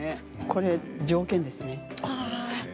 これ、条件ですね。